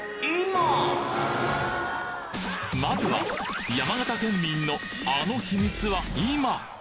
まずは山形県民のあの秘密は今！？